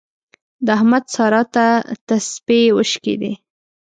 د احمد سارا ته تسپې وشکېدې.